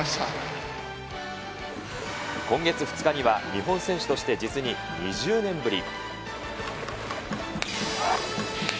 今月２日には、日本選手として実に２０年ぶり。